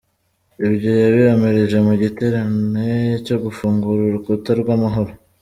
Ibyo yabihamirije mu giterane cyo gufungura urukuta rw'amahoro.